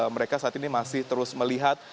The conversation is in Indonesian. mereka saat ini masih terus melihat